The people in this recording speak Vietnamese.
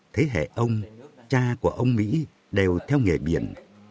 thế hệ ông cha của ông mỹ đều theo nghề biển